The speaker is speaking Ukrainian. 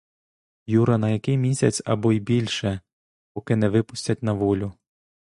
Юра на який місяць або й більше, поки не випустять на волю.